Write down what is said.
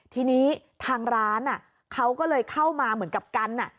ทีนี้ทางร้านเขาก็เลยเข้ามาเหมือนกับกัน